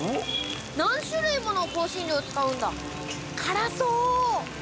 何種類もの香辛料使うんだ辛そう。